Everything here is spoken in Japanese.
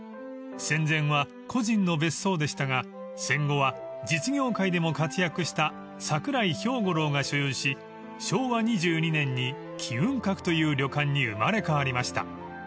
［戦前は個人の別荘でしたが戦後は実業界でも活躍した桜井兵五郎が所有し昭和２２年に起雲閣という旅館に生まれ変わりました］